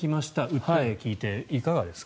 訴えを聞いていかがでしたか。